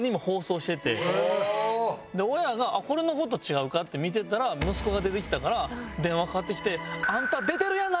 親が「これの事違うか？」って見てたら息子が出てきたから電話かかってきて。